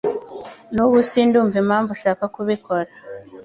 Nubu sindumva impamvu ushaka kubikora.